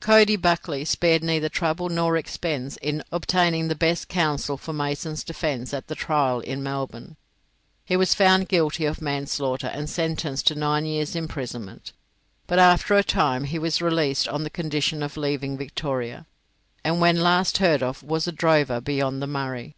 Coady Buckley spared neither trouble nor expense in obtaining the best counsel for Mason's defence at the trial in Melbourne. He was found guilty of manslaughter and sentenced to nine years' imprisonment, but after a time was released on the condition of leaving Victoria, and when last heard of was a drover beyond the Murray.